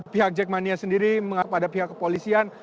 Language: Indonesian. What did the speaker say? pihak jackmania sendiri menghadapi kepolisian